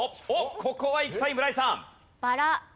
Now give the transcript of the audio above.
ここはいきたい村井さん。